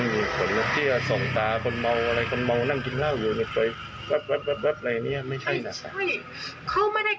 ดื่มเป็นครึบหรือละฮะเหรอครับใช่